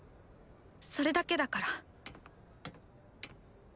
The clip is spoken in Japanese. それだけだから。